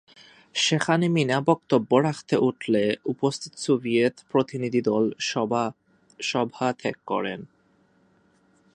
সেখানে মীনা বক্তব্য রাখতে উঠলে উপস্থিত সোভিয়েত প্রতিনিধিদল সভা ত্যাগ করেন।